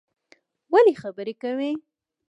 ولی خبری کوی